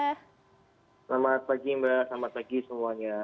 selamat pagi mbak selamat pagi semuanya